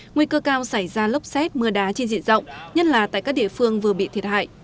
nguy cơ cao xảy ra lốc xét mưa đá trên diện rộng nhất là tại các địa phương vừa bị thiệt hại